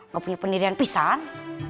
gak punya pendirian pisang